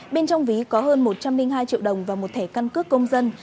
bên trong ví có hơn một trăm linh hai triệu đồng và một thẻ căn cước công dân